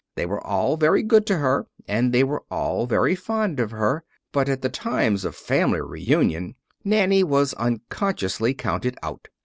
They were all very good to her, and they were all very fond of her, but at the times of family reunion Nanny was unconsciously counted out.